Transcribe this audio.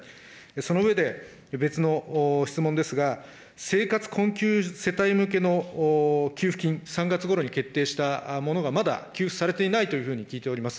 その上で、別の質問ですが、生活困窮世帯向けの給付金、３月ごろに決定したものがまだ給付されていないというふうに聞いております。